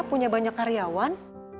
punya banyak karyawan